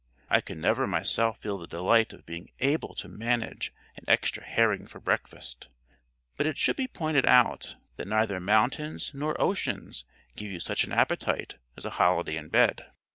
I could never myself feel the delight of being able to manage an extra herring for breakfast, but it should be pointed out that neither mountains nor oceans give you such an appetite as a holiday in bed.